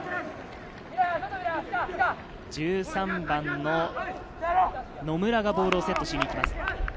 １３番の野村がボールをセットしに行きます。